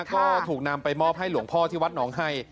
ก็ถูกนำไปมอบให้หลวงพ่อที่วัดหนองไฮ